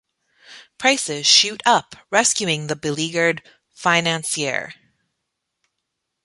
Prices shoot up, rescuing the beleaguered financier.